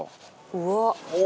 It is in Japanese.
うわっ！